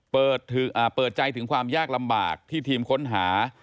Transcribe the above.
เปิดใจถึงความยากลำบากที่ทีมค้นหา